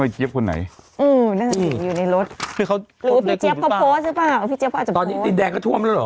ใช่ค่ะ